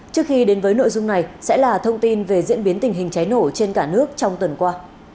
trước khi đến với nội dung này sẽ là thông tin về diễn biến tình hình cháy nổ trên cả nước trong tuần qua